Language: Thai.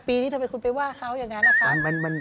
ปีนี้ทำไมคุณไปว่าเขาอย่างนั้นนะคะ